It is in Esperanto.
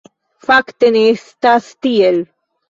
Fakte ne estas tiel.